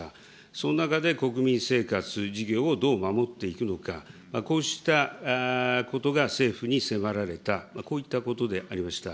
その中で国民生活、事業をどう守っていくのか、こうしたことが政府に迫られた、こういったことでありました。